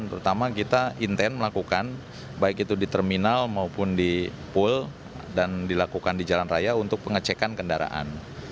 terutama kita intent melakukan baik itu di terminal maupun di pul dan dilakukan di jalan raya untuk pengecekan kendaraan